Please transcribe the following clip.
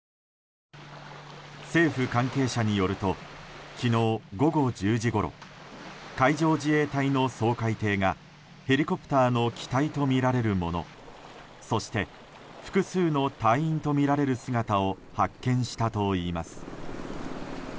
政府関係者によると昨日午後１０時ごろ海上自衛隊の掃海艇がヘリコプターの機体とみられるものそして、複数の隊員とみられる姿を発見したといいます。